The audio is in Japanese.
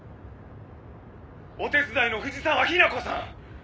お手伝いの藤沢日奈子さん。